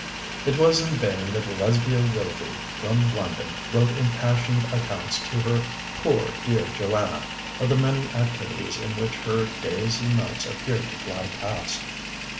It was in vain that Lesbia Willoughby, from London, wrote impassioned accounts to her poor dear Joanna of the many activities in which her days and nights appeared to fly past.